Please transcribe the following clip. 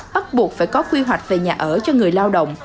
bắt buộc phải có quy hoạch về nhà ở cho người lao động